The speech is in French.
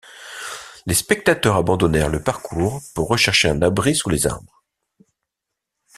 Les spectateurs abandonnèrent le parcours pour rechercher un abri sous les arbres.